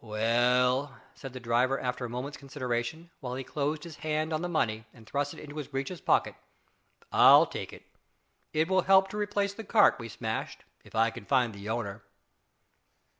"Well," said the driver, after a moment's consideration, while he closed his hand on the money and thrust it into his breeches pocket, "I'll take it. It will help to replace the cart we smashed, if I can find the owner."